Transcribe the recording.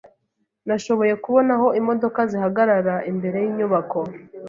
Nashoboye kubona aho imodoka zihagarara imbere yinyubako .